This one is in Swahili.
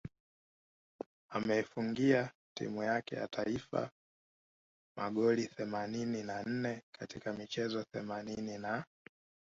Ameifungia timu yake ya taifa magoli themanini na nne katika michezo themanini na